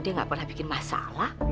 dia nggak pernah bikin masalah